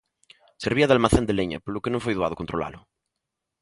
Servía de almacén de leña, polo que non foi doado controlalo.